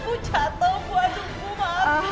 bu jatuh bu aduh bu maaf